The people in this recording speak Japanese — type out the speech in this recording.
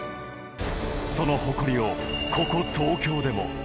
その誇りをここ東京でも。